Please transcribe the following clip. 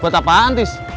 buat apaan tis